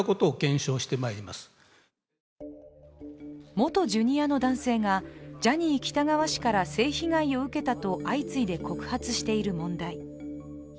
元ジュニアの男性がジャニー喜多川氏から性被害を受けたと相次いで告発している問題。